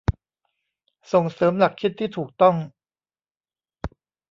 ส่งเสริมหลักคิดที่ถูกต้อง